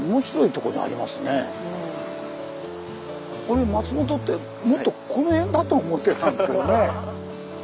俺松本ってもっとこの辺だと思ってたんですけどね。